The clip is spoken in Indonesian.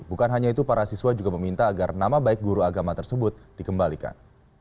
bukan hanya itu para siswa juga meminta agar nama baik guru agama tersebut dikembalikan